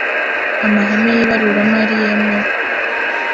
amahame y ibaruramari yemewe